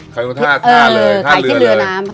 คัยโนธาตุเออขายที่เรือน้ำ